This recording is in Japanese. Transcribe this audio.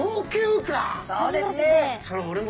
そうですね。